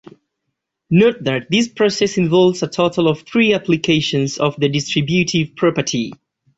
Note that this process involves a total of three applications of the distributive property.